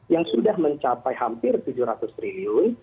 yang sudah mencapai hampir tujuh ratus triliun